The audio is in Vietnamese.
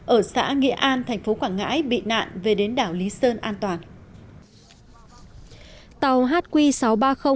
ở xã nghị an thành phố quảng ngãi bị nạn về đến đảo lý sơn an toàn